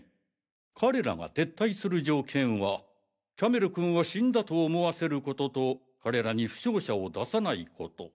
彼らが撤退する条件はキャメル君を死んだと思わせることと彼らに負傷者を出さないこと。